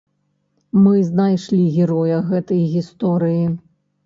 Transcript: Мы знайшлі героя гэтай гісторыі.